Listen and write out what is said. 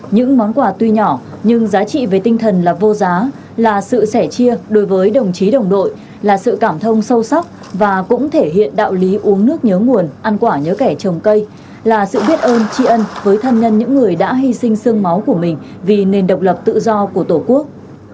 những món quà tuy nhỏ nhưng giá trị về tinh thần là vô giá là sự sẻ chia đối với đồng chí đồng đội là sự cảm thông sâu sắc và cũng thể hiện đạo lý uống nước nhớ nguồn ăn quả nhớ kẻ trồng cây là sự biết ơn tri ân với thân nhân những người đã hy sinh sương máu của mình vì nền độc lập tự do của tổ quốc